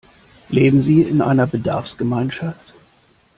Leben Sie in einer Bedarfsgemeinschaft?